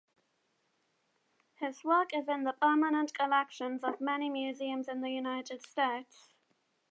His work is in the permanent collections of many museums in the United States.